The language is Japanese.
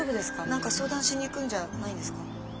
何か相談しに行くんじゃないんですか？